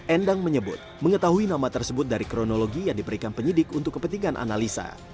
endang menyebut mengetahui nama tersebut dari kronologi yang diberikan penyidik untuk kepentingan analisa